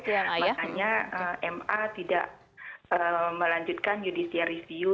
makanya ma tidak melanjutkan judisiarisiu